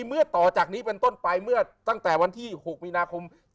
เมื่อต่อจากนี้เป็นต้นไปเมื่อตั้งแต่วันที่๖มีนาคม